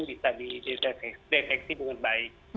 bisa diteteksi dengan baik